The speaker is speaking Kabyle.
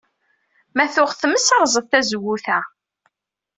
Ma tuɣ tmes, rẓet tazewwut-a.